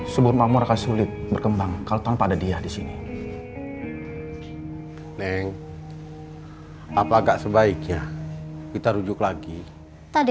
sebuah mamuraka sulit berkembang kalau pada dia di sini neng apakah sebaiknya kita rujuk lagi tadi